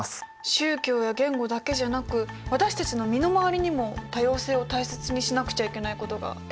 宗教や言語だけじゃなく私たちの身の回りにも多様性を大切にしなくちゃいけないことがたくさんありそうですね。